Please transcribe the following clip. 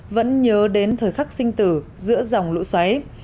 vẫn nhớ đến thời khắc sinh tử giữa dòng lũ xoáy